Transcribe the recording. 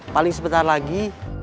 paling sebentar lagi